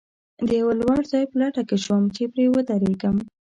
د یوه لوړ ځای په لټه کې شوم، چې پرې ودرېږم.